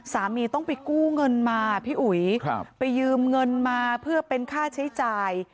สามีต้องไปกู้เงินมาพี่อุ๋ยไปยืมเงินมาเพื่อเป็นค่าใช้จ่าย